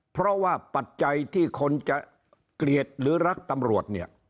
เพราะว่าปัจจัยที่คนจะเกลียดหรือรักตำรวจเนี่ย